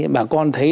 bà con thấy